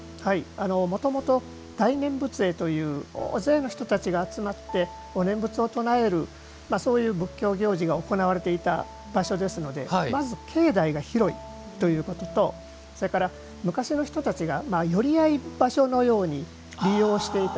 もともと大念仏会という大勢の人たちが集まってお念仏を唱えるそういう仏教行事が行われていた場所ですのでまず、境内が広いということとそれから昔の人たちが寄り合い場所のように利用していた。